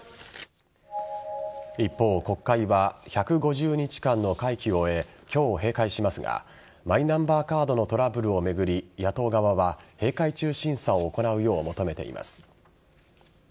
一方、国会は１５０日間の会期を終え今日、閉会しますがマイナンバーカードのトラブルを巡り、野党側は閉会中審査を行うよう求めています。